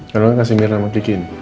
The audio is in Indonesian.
kalau gak kasih mira sama kiki ini